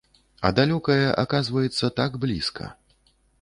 А далёкае, аказваецца, так блізка.